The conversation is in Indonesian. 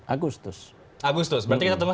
agustus agustus berarti kita tunggu